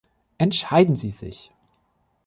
Entscheiden Sie sich.